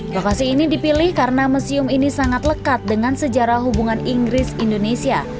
lokasi ini dipilih karena museum ini sangat lekat dengan sejarah hubungan inggris indonesia